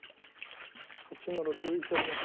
８の六石あります。